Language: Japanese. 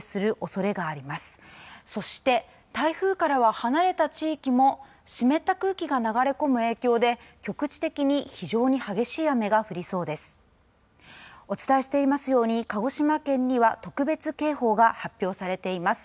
そして台風からは離れた地域も湿った空気が流れ込む影響で局地的に非常に激しい雨が降りそうです。